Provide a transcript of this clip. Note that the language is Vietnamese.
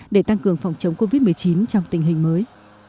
để tăng cường phòng chống covid một mươi chín trong tình hình mới